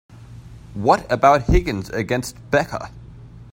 What about Higgins against Becca?